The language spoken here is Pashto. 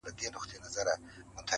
څوك به وران كي د ازل كښلي خطونه٫